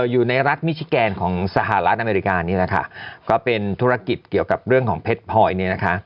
อยู่ในรัฐมิชิแกนของสหรัฐอเมริกานี่แหละค่ะก็เป็นธุรกิจเกี่ยวกับเรื่องของเพชรพลอยเนี่ยนะคะ